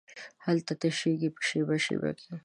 هلته تشېږې په شیبه، شیبه کې